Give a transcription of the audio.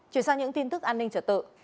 chuyển sang những tin tức an ninh trở tự